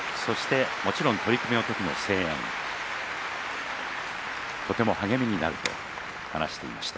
もちろん取組の時の声援とても励みになると話していました。